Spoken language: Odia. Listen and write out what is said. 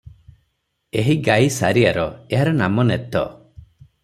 ଏହିଗାଈ ସାରିଆର ଏହାର ନାମ ନେତ ।